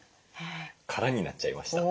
空になっちゃいました。